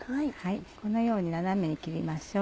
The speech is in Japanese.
このように斜めに切りましょう。